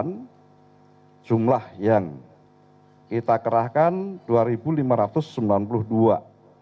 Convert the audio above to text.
untuk perhatiin sabtu tanggal dua puluh enam november dua ribu dua puluh dua bnpb kembali memberikan bantuan logistik berikutnya